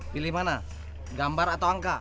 pilih mana gambar atau angka